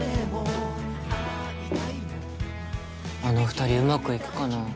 あの２人うまくいくかな？